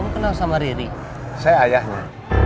kenal sama riri saya ayahnya